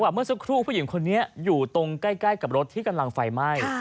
เมื่อสักครู่ผู้หญิงคนนี้อยู่ตรงใกล้กับรถที่กำลังไฟไหม้